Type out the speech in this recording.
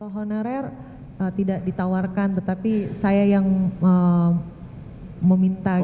honorer tidak ditawarkan tetapi saya yang meminta